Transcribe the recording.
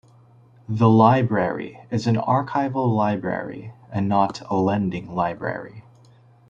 The Library is an archival library and not a lending library.